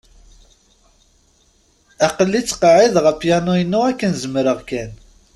Aql-i ttqeεεideɣ apyanu-inu akken zemreɣ kan.